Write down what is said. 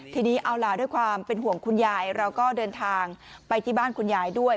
ทีนี้เอาล่ะด้วยความเป็นห่วงคุณยายเราก็เดินทางไปที่บ้านคุณยายด้วย